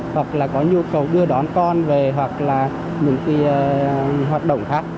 hoặc là có nhu cầu đưa đón con về hoặc là những hoạt động khác